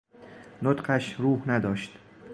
نطقش روح نداشت